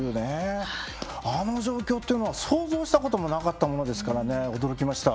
あの状況というのは想像したこともなかったものですからね驚きました。